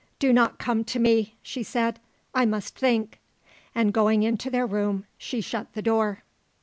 Do not come to me," she said. "I must think." And going into their room she shut the door.